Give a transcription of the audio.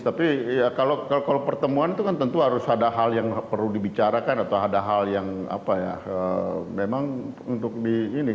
tapi ya kalau pertemuan itu kan tentu harus ada hal yang perlu dibicarakan atau ada hal yang apa ya memang untuk di ini